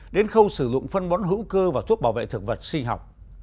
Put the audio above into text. đến khâu sử dụng phân bón hữu cơ và thuốc bảo vệ thực vật sinh học